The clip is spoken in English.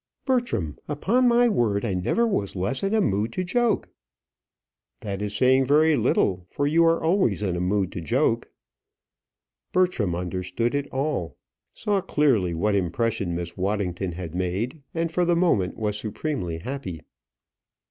"Bertram, upon my word, I never was less in a mood to joke." "That is saying very little, for you are always in a mood to joke." Bertram understood it all; saw clearly what impression Miss Waddington had made, and for the moment was supremely happy.